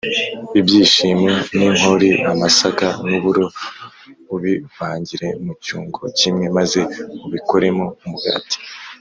ibishyimbo n’inkori, amasaka n’uburo ubivangire mu cyungo kimwe maze ubikoremo umugati